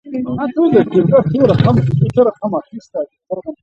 وینګ وال د اوبو په مقابل کې د ابټمنټ ساتنه کوي